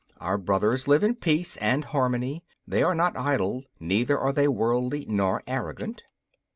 Our brothers live in peace and harmony. They are not idle, neither are they worldly nor arrogant.